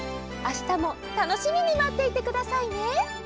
あしたもたのしみにまっていてくださいね。